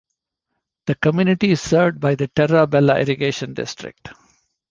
The community is served by the Terra Bella Irrigation District.